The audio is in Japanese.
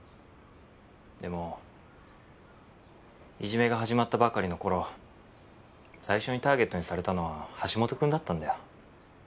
でもいじめが始まったばかりの頃最初にターゲットにされたのは橋本くんだったんだよ。